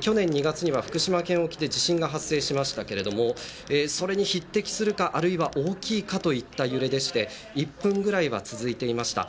去年２月には福島県沖で地震が発生しましたがそれに匹敵するか、あるいは大きいかといった揺れで１分ぐらいは続いていました。